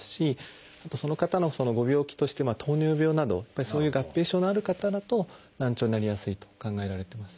あとその方のご病気として糖尿病などそういう合併症のある方だと難聴になりやすいと考えられてます。